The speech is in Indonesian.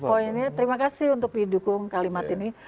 poinnya terima kasih untuk didukung kalimat ini